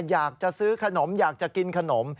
อยากจะซื้อขนมอยากจะกินขนม